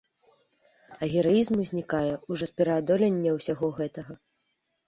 А гераізм узнікае ўжо з пераадолення ўсяго гэтага.